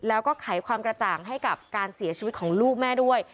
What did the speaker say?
แล้วก็ไขความกระจ่างให้กับการเสียชีวิตของลูกแม่ด้วย